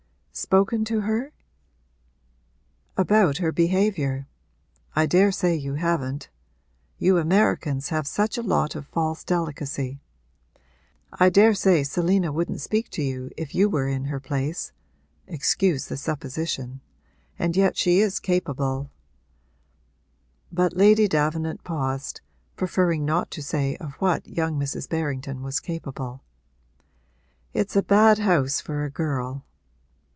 'Spoken to her?' 'About her behaviour. I daresay you haven't you Americans have such a lot of false delicacy. I daresay Selina wouldn't speak to you if you were in her place (excuse the supposition!) and yet she is capable ' But Lady Davenant paused, preferring not to say of what young Mrs. Berrington was capable. 'It's a bad house for a girl.'